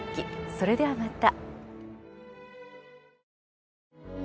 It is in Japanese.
それではまた。